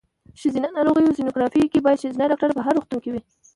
ښځېنه ناروغیو سینوګرافي کې باید ښځېنه ډاکټره په هر روغتون کې وي.